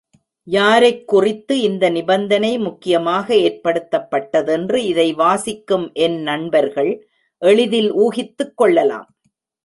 யாரைக் குறித்து இந்த நிபந்தனை முக்கியமாக ஏற்படுத்தப் பட்டதென்று இதை வாசிக்கும் என் நண்பர்கள் எளிதில் ஊகித்துக் கொள்ளலாம்.